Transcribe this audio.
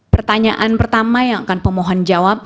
pertanyaan pertama yang akan pemohon jawab